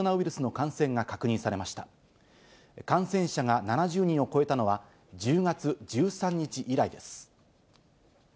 感染者が７０人を超えたのは、１０月１３日以来です。